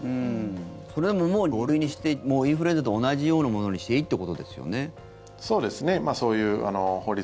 それでも、もう５類にしてインフルエンザと同じようなものにしていいってことですよね。